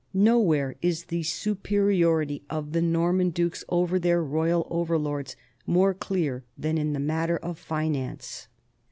Nowhere is the superiority of the Norman dukes over their royal over lords more clear than in the matter of finance.